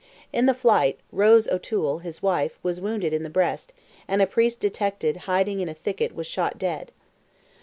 In the flight, Rose O'Toole, his wife, was wounded in the breast, and a priest detected hiding in a thicket was shot dead.